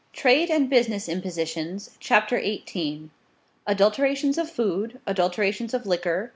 TRADE AND BUSINESS IMPOSITIONS. CHAPTER XVIII. ADULTERATIONS OF FOOD. ADULTERATIONS OF LIQUOR.